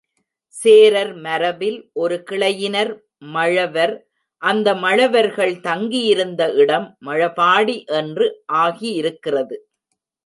சேரர் மரபில் ஒரு கிளையினர் மழவர், அந்த மழவர்கள் தங்கியிருந்த இடம் மழபாடி என்று ஆகியிருக்கிறது.